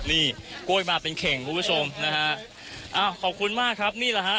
นี่กล้วยมาเป็นเข่งคุณผู้ชมนะฮะอ้าวขอบคุณมากครับนี่แหละฮะ